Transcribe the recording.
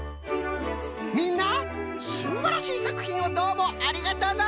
みんなすんばらしいさくひんをどうもありがとのう！